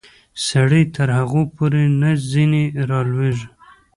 سړی تر هغو پورې نه ځینې رالویږي.